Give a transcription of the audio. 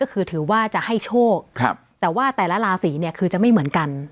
ก็คือถือว่าจะให้โชคแต่ว่าแต่ละราศีเนี่ยคือจะไม่เหมือนกัน